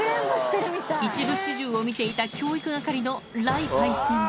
一部始終を見ていた教育係の雷パイセン。